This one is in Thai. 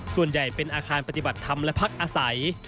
ส่วนใหญ่เป็นอาคารปฏิบัติธรรมและพักอาศัย